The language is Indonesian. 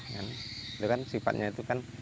itu kan sifatnya itu kan